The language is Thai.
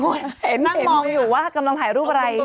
เห็นมพูดว่ากำลังกลับถ่ายรูปอะไร